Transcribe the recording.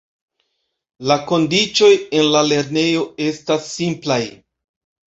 La kondiĉoj en la lernejo estas simplaj.